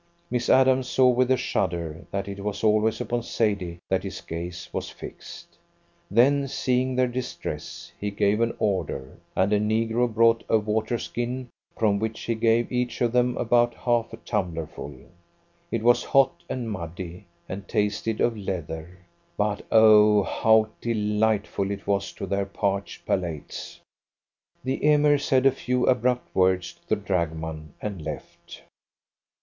Miss Adams saw with a shudder that it was always upon Sadie that his gaze was fixed. Then, seeing their distress, he gave an order, and a negro brought a water skin, from which he gave each of them about half a tumblerful. It was hot and muddy, and tasted of leather, but oh how delightful it was to their parched palates! The Emir said a few abrupt words to the dragoman, and left.